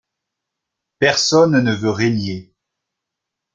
Personne ne veut régner.